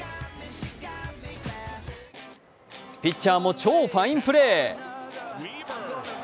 ピッチャーも超ファインプレー！